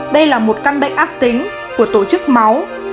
đây là một căn bệnh ác tính của tổ chức máu